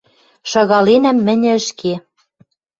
Шагаленӓм мӹньӹ ӹшке.